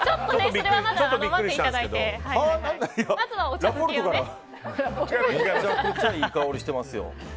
めちゃくちゃいい香りしてますよ。